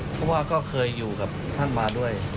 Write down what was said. เพราะว่าก็เคยอยู่กับท่านมาด้วย